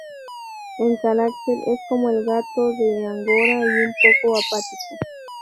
En carácter es como el gato de Angora y un poco apático.